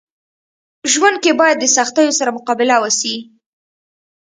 ژوند کي باید د سختيو سره مقابله وسي.